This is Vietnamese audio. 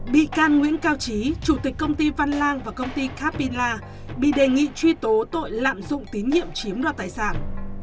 bị can nguyễn cao trí chủ tịch công ty văn lang và công ty capingla bị đề nghị truy tố tội lạm dụng tín nhiệm chiếm đoạt tài sản